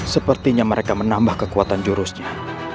sepertinya mereka menambah kekuatan jurusnya